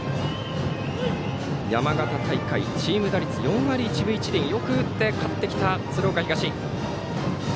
山形大会チーム打率４割１分１厘よく打って勝ってきた鶴岡東。